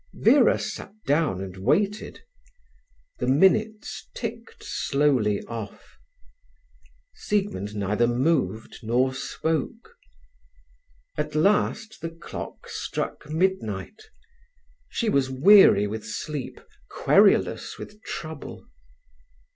Vera sat down and waited. The minutes ticked slowly off. Siegmund neither moved nor spoke. At last the clock struck midnight. She was weary with sleep, querulous with trouble.